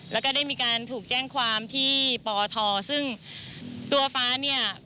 แล้วก็ได้มีการถูกแจ้งความที่ปอทซึ่งตัวฟ้าเนี่ย